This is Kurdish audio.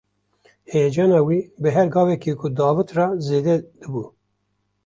Heyecana wî bi her gaveke ku davêt re zêde dibû.